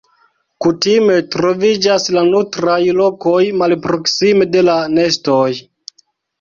Kutime troviĝas la nutraj lokoj malproksime de la nestoj.